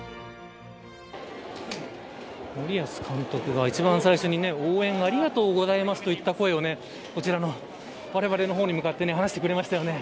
森保監督が一番最初に応援ありがとうございますといった声もわれわれの方に向かって話してくれましたよね。